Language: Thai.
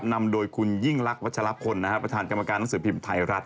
นำโดยคุณยิ่งรักวัชลพลประธานกรรมการหนังสือพิมพ์ไทยรัฐ